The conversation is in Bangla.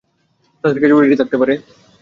তাদের কাছে হয়ত রেডিও থাকতে পারে।